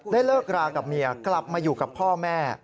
เลิกรากับเมียกลับมาอยู่กับพ่อแม่